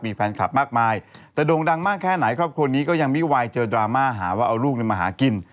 มีแฟนคลับมากมายแต่โด่งดังมากแค่ไหนครอบครัวนี้ก็ยังไม่ไหวเจอดราม่าหาว่าเอาลูกมาหากิน